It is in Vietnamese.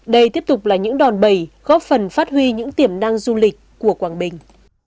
đây tiếp tục là những đòn bẩy góp phần phát huy những tiềm năng du lịch của quảng bình